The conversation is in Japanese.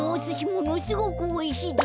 ものすごくおいしいで。